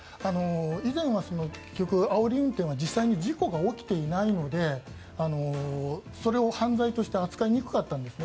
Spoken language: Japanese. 以前は結局、あおり運転は実際に事故が起きていないのでそれを犯罪として扱いにくかったんですね。